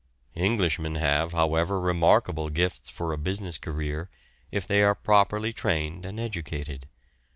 Englishmen have, however, remarkable gifts for a business career, if they are properly trained and educated.